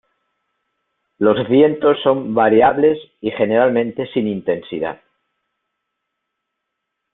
Los vientos son variables y generalmente sin intensidad.